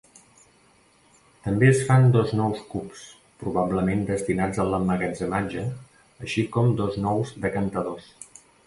També es fan dos nous cups, probablement destinats a l'emmagatzematge, així com dos nous decantadors.